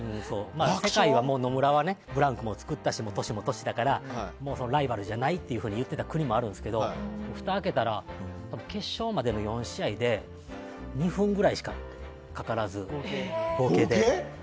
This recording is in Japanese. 世界は、もう野村はブランクも作ったし年も年だからライバルじゃないって言ってた国もあるんですけどふた開けたら決勝までの４試合で２分ぐらいしか、合計でかからず。